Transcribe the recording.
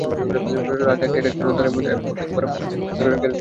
রাজা একটি কাজের জন্য দেখে এবং তার বন্ধু তার সঙ্গে একটি গ্যারেজ খোলে।